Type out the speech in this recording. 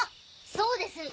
そうです！